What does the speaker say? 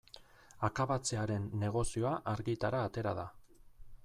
Akabatzearen negozioa argitara atera da.